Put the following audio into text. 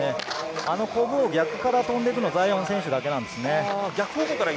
あのこぶを逆から飛んでいくのはザイオン選手だけです。